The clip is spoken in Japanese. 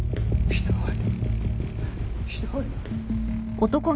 ひどい。